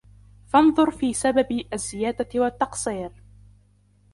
فَانْظُرْ فِي سَبَبِ الزِّيَادَةِ وَالتَّقْصِيرِ